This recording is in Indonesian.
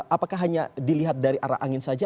apakah hanya dilihat dari arah angin saja